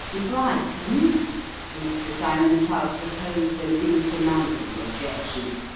" Brighton ?" Mr. Cymon Tuggs opposed an insurmountable objection.